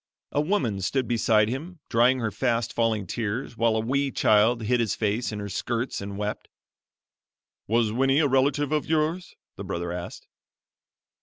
A woman stood beside him drying her fast falling tears while a wee child hid his face in her skirts and wept. "Was Winnie a relative of yours?" the brother asked.